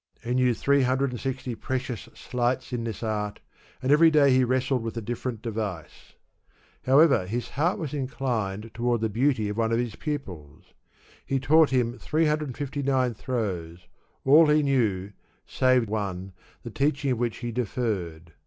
He knew three hundred and sixty precious sleights in this art, and every day he wrestled with a different device. However, his heart was inclined toward the beauty of one of his pupils. He taught him three hundred and fifty nine throws, all he knew save one, the teaching of which he deferred.